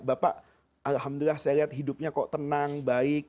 bapak alhamdulillah saya lihat hidupnya kok tenang baik